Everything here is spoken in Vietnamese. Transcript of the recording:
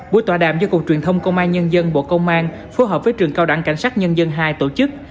buổi tọa đàm do cục truyền thông công an nhân dân bộ công an phối hợp với trường cao đẳng cảnh sát nhân dân hai tổ chức